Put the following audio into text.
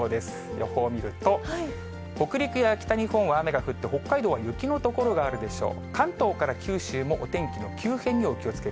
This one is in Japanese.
予報を見ると、北陸や北日本は雨が降って、北海道は雪の所があるでしょう。